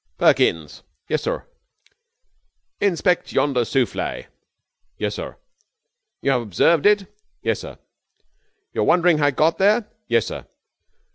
'Perkins.' 'Yes, sir?' 'Inspect yonder souffle.' 'Yes, sir.' 'You have observed it?' 'Yes, sir.' 'You are wondering how it got there?' 'Yes, sir.'